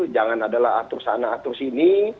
jangan adalah atur sana atur sini